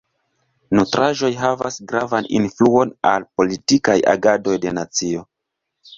Nutraĵoj havas gravan influon al politikaj agadoj de nacio.